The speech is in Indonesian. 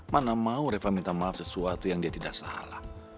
mana mau reva minta maaf sesuatu yang dia tidak salah